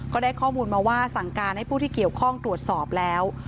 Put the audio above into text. ก็ได้ข้อมูลมาว่าสั่งการให้ผู้ที่เกี่ยวข้องตรวจสอบแล้ว